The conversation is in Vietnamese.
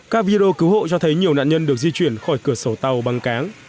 các video cứu hộ cho thấy nhiều nạn nhân được di chuyển khỏi cửa sổ tàu bằng cáng